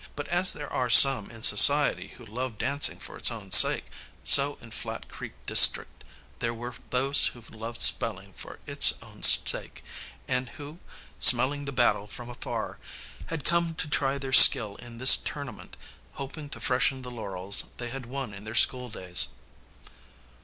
But as there are some in society who love dancing for its own sake, so in Flat Creek district there were those who loved spelling for its own sake, and who, smelling the battle from afar, had come to try their skill in this tournament, hoping to freshen the laurels they had won in their school days.